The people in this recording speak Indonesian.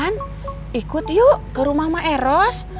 wan ikut yuk ke rumah maeros